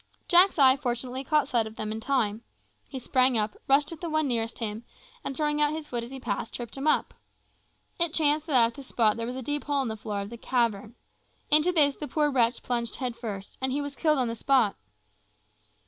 Jack's eye fortunately caught sight of them in time. He sprang up, rushed at the one nearest him, and throwing out his foot as he passed, tripped him up. It chanced that at that spot there was a deep hole in the floor of the cavern. Into this the poor wretch plunged head first, and he was killed on the spot.